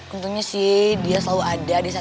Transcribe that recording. untungnya sih dia selalu ada